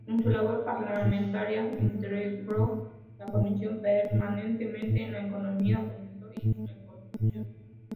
En su labor parlamentaria integró la Comisión Permanente de Economía, Fomento y Reconstrucción.